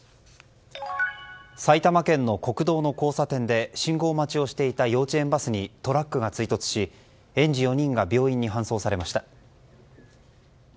埼玉県の国道の交差点で信号待ちをしていた幼稚園バスにトラックが追突し園児４人が病院に搬送されました。